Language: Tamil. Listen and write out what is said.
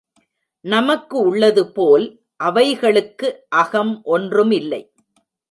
நமக்கு உள்ளதுபோல் அவைகளுக்கு அகம் ஒன்றுமில்லை.